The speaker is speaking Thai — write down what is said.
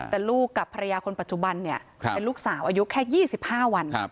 แต่ลูกกับภรรยาคนปัจจุบันเนี่ยเป็นลูกสาวอายุแค่๒๕วัน